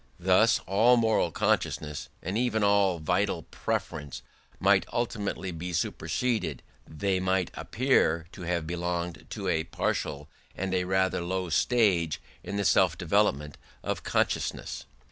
Thus all moral consciousness, and even all vital preference might ultimately be superseded: they might appear to have belonged to a partial and rather low stage in the self development of consciousness.